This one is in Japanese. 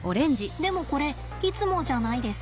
でもこれいつもじゃないです。